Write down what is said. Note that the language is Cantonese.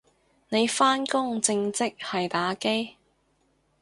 你返工正職係打機？